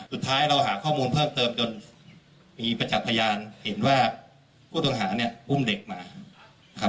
สุดท้ายเราหาข้อมูลเพิ่มเติมจนมีประจักษ์พยานเห็นว่าผู้ต้องหาเนี่ยอุ้มเด็กมาครับ